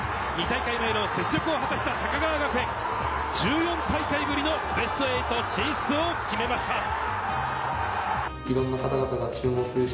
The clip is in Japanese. ２大会ぶりの雪辱を果たした高川学園、１４大会ぶりのベスト８進出を決めました。